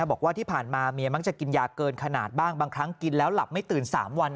บอกว่าที่ผ่านมาเมียมักจะกินยาเกินขนาดบ้างบางครั้งกินแล้วหลับไม่ตื่น๓วัน